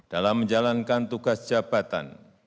dalam menjalankan tugas jabatan